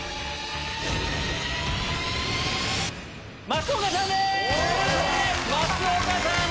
松岡さん